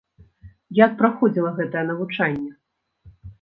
Як праходзіла гэтае навучанне?